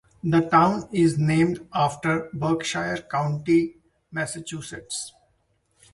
The town is named after Berkshire County, Massachusetts.